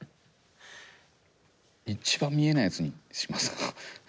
一番見えないやつにしますか。